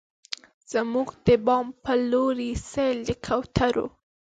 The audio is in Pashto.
زموږ د بام په لورې، سیل د کوترو